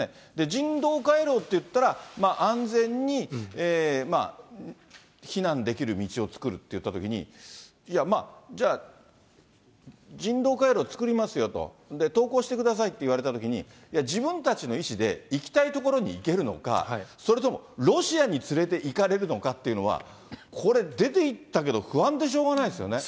人道回廊って言ったら、安全に避難できる道を作るっていったときに、いや、じゃあ、人道回廊作りますよと、投降してくださいって言われたときに、いや、自分たちの意思で行きたい所に行けるのか、それともロシアに連れていかれるのかっていうのは、これ、出ていったけど、不安でしょうがないですよね。